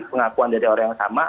pengakuan dari orang yang sama